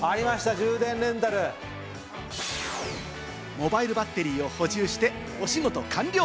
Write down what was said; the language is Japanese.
モバイルバッテリーを補充してお仕事完了！